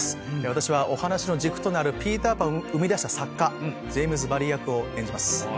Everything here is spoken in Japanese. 私はお話の軸となる『ピーターパン』を生み出した作家ジェームズ・バリ役を演じます。